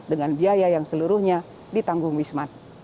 dengan biaya yang seluruhnya di tanggung wisman